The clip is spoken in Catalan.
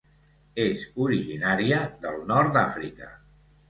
És originària del Nord d'Àfrica.